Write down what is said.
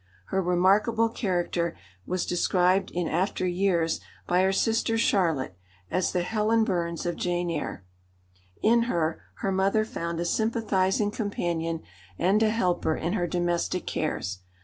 Her remarkable character was described in after years by her sister Charlotte as the Helen Burns of Jane Eyre. In her, her mother found a sympathising companion and a helper in her domestic cares.